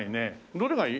どれがいい？